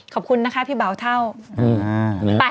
ขอบคุณพี่เบาเท่าเออเอา